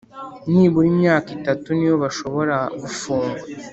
nibura imyaka itatu niyo bashobora gufungwa